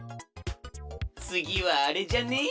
つぎはあれじゃね？